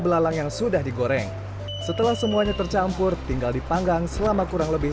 belalang yang sudah digoreng setelah semuanya tercampur tinggal dipanggang selama kurang lebih